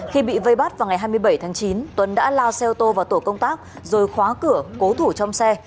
khi bị vây bắt vào ngày hai mươi bảy tháng chín tuấn đã lao xe ô tô vào tổ công tác rồi khóa cửa cố thủ trong xe